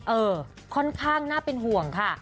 เออค่อนข้างน่าเป็นห่วงค่ะ